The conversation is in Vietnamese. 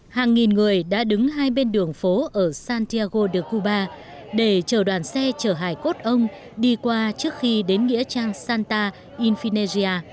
hàng nghìn người đã đứng hai bên đường phố ở santiago de cuba để chờ đoàn xe chở hải cốt ông đi qua trước khi đến nghĩa trang santa infinea